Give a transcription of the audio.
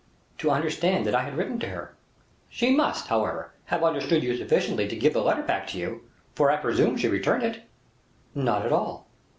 "To understand that I had written to her." "She must, however, have understood you sufficiently to give the letter back to you, for I presume she returned it." "Not at all."